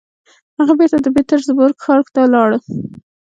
هغه بېرته د پيټرزبورګ ښار ته ولاړ.